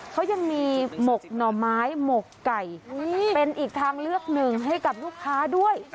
เขายังมีหมกหน่อไม้หมกไก่เป็นอีกทางเลือกหนึ่งให้กับลูกค้าด้วย